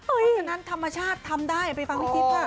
เพราะฉะนั้นธรรมชาติทำได้ไปฟังให้ฟิศภาพ